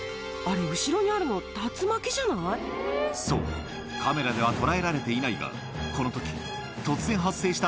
そうカメラでは捉えられていないがこの時突然発生した